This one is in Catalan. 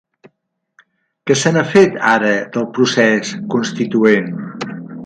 Què se n’ha fet, ara, del procés constituent?